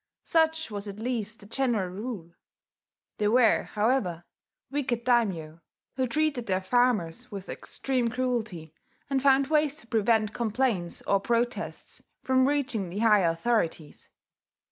Such was at least the general rule. There were, however, wicked daimyo, who treated their farmers with extreme cruelty, and found ways to prevent complaints or protests from reaching the higher authorities.